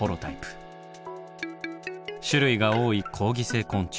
種類が多い好蟻性昆虫。